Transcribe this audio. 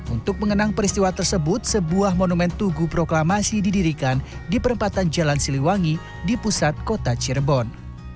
untuk mengenang peristiwa tersebut sebuah monumen tugu proklamasi didirikan di perempatan jalan siliwangi di pusat kota cirebon